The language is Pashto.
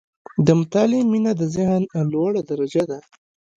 • د مطالعې مینه، د ذهن لوړه درجه ده.